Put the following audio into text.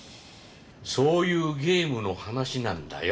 そういうゲームの話なんだよ。